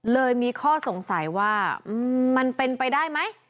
เลยมีข้อสงสัยว่ามันเป็นไปได้ไหม